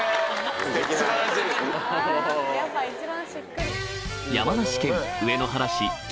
やっぱり一番しっくり。